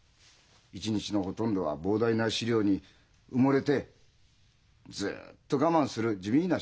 一日のほとんどは膨大な資料に埋もれてずっと我慢する地味な仕事だ。